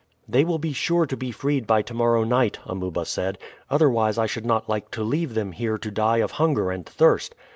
"They will be sure to be freed by to morrow night," Amuba said, "otherwise I should not like to leave them here to die of hunger and thirst."